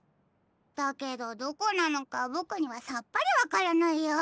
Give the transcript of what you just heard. だけどどこなのかボクにはさっぱりわからないや。